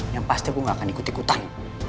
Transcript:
yang pasti aku gak akan ikut ikutan